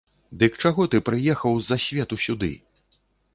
Дык чаго ты прыехаў з-за свету сюды?